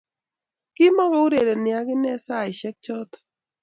Kimoko urereni ak inet saishek chotok